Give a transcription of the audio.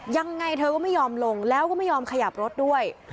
ยังไงเธอก็ไม่ยอมลงแล้วก็ไม่ยอมขยับรถด้วย